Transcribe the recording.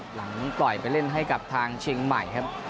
หลังปล่อยไปเล่นให้กับทางเชียงใหม่ครับ